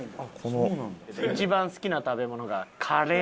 一番好きな食べ物がカレー。